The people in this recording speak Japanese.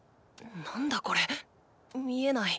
何だこレ見エない。